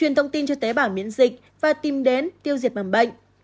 truyền thông tin cho tế bảo miễn dịch và tìm đến tiêu diệt bằng bệnh